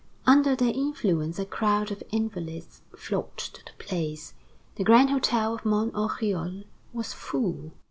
Under their influence a crowd of invalids flocked to the place. The Grand Hotel of Mont Oriol was full.